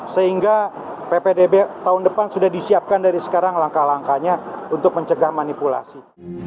sehingga ppdb tahun depan sudah disiapkan dari sekarang langkah langkahnya untuk mencegah manipulasi